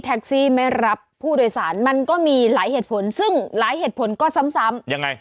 ไม่รับผู้โดยสารมันก็มีหลายเหตุผลซึ่งหลายเหตุผลก็ซ้ำยังไง